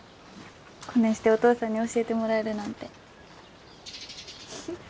こねんしてお父さんに教えてもらえるなんて。